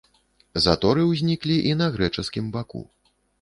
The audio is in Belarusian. Заторы ўзніклі і на грэчаскім баку.